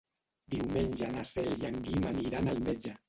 Diumenge na Cel i en Guim aniran al metge.